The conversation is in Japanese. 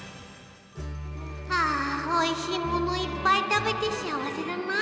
◆あ、おいしいものいっぱい食べて、幸せだな。